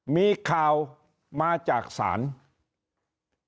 มีข่าวมาจากศาลเป็นข่าวที่เกี่ยวข้องกับหลงจู้สมชัย